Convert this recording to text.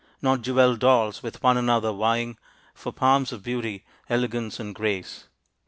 Not jeweled dolls with one another vieing For palms of beauty, elegance and grace.